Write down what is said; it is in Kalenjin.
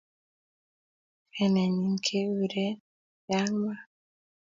Kainenyi keguure, young man